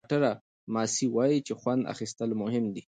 ډاکټره ماسي وايي چې خوند اخیستل مهم دي.